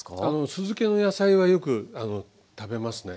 酢漬けの野菜はよく食べますね。